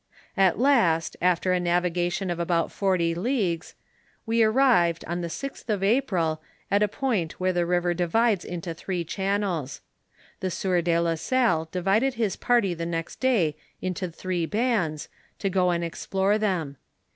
At last, after a navigation of about forty leagues, we ar rived, on the sixth of April, at a point where the river divides into three channels. The sieur de la Salle divided his party the next day into three bands, to go and explore them.